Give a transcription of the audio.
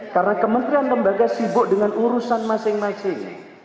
karena kementerian dan lembaga sibuk dengan urusan masing masing